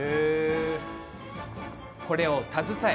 これを携え